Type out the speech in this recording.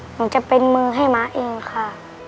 หนูจะเป็นมือให้ม้าเองค่ะ